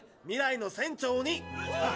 未来の船長に！